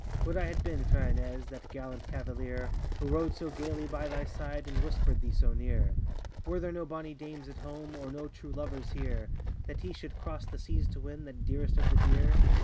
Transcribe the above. Would I had been, fair Ines, That gallant cavalier, Who rode so gaily by thy side, And whisperŌĆÖd thee so near! Were there no bonny dames at home Or no true lovers here, That he should cross the seas to win The dearest of the dear?